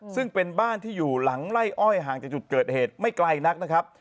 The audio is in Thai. ซึ่งเป็นบ้านที่อยู่หลังไล่อ้อยห่างจากจุดเกิดเหตุไม่ไกลนักนะครับ